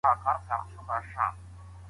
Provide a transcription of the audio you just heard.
ماشوم ته پاکې اوبه ورکړئ.